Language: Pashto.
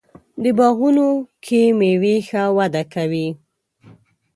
باغونو کې میوې ښه وده کوي.